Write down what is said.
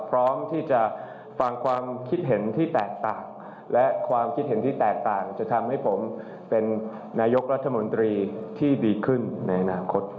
พร้อมที่จะฟังความคิดเห็นที่แตกต่างและความคิดเห็นที่แตกต่างจะทำให้ผมเป็นนายกรัฐมนตรีที่ดีขึ้นในอนาคต